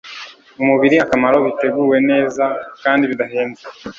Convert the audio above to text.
umubiri akamaro biteguwe neza kandi bidahenze